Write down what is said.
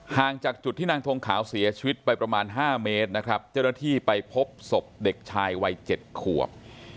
ห่างจากจุดที่นางทงขาวเสียชีวิตไปประมาณ๕เมตรนะครับเจ้าหน้าที่ไปพบศพเด็กชายวัย๗ขวบ